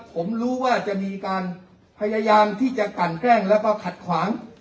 ผมรู้ว่าจะมีการพยายามที่จะกันแกล้งแล้วก็ขัดขวาง